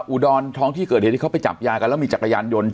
อุดรท้องที่เกิดเหตุที่เขาไปจับยากันแล้วมีจักรยานยนต์